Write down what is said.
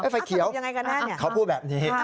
ไฟเขียวเขาพูดแบบนี้